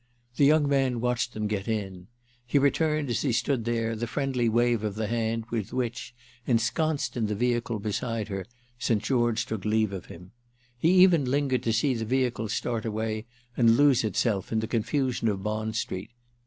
The young man watched them get in; he returned, as he stood there, the friendly wave of the hand with which, ensconced in the vehicle beside her, St. George took leave of him. He even lingered to see the vehicle start away and lose itself in the confusion of Bond Street.